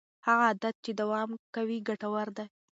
هغه عادت چې دوام کوي ګټور دی.